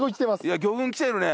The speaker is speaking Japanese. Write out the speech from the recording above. いや魚群来てるね！